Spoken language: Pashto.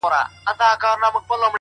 زما احساس زما په هرځاى کې عزت کړى دى